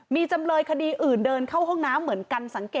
มีจำเลยคดีอื่นเดินเข้าห้องน้ำเหมือนกันสังเกต